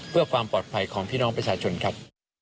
เพื่อความปลอดภัยของพี่น้องประชาชนครับ